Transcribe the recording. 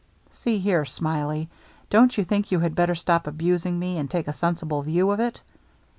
" See here. Smiley, don't you think you had better stop abusing me, and take a sensible view of it